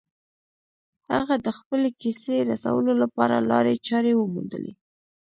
هغه د خپلې کیسې رسولو لپاره لارې چارې وموندلې